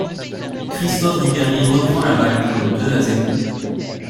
Christophe Dugarry reprend la balle pour le deux à zéro.